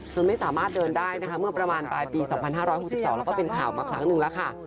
จนไม่สามารถเดินด้ายนะคะเมื่อประมาณปลายปี๒๕๖๒แล้วมันหนีกลับค่ะ